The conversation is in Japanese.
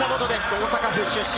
大阪府出身。